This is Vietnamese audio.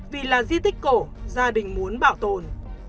vì là di tích cổ gia đình muốn bảo tồn